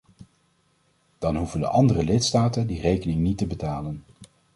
Dan hoeven de andere lidstaten die rekening niet te betalen.